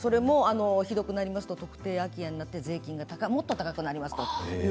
ひどくなると特定空き家になって税金がもっと高くなりますと。